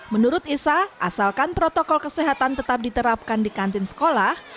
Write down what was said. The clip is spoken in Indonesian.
menurut isa asalkan protokol kesehatan tetap diterapkan di kantin sekolah